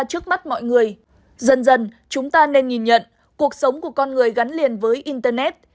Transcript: trước mắt mọi người dần dần chúng ta nên nhìn nhận cuộc sống của con người gắn liền với internet